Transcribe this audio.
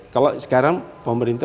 kalau sekarang pemerintah